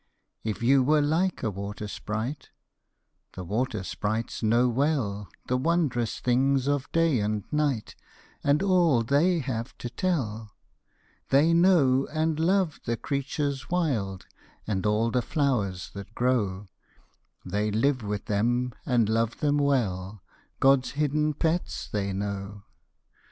If you were like a water sprite the water sprites know well The wondrous things of day and night, and all they have to tell; They know and love the creatures wild, and all the flowers that grow; They live with them and love them well, God's hidden pets they know.